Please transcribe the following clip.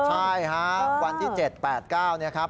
ใช่ฮะวันที่๗๘๙เนี่ยครับ